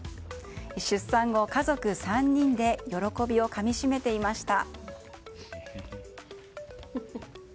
出産後、家族３人で喜びをかみしめていました。